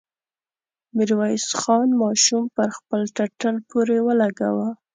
ميرويس خان ماشوم پر خپل ټټر پورې ولګاوه.